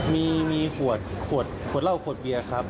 มีขวดขวดเหล้าขวดเบียร์ครับ